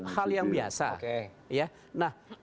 hal yang biasa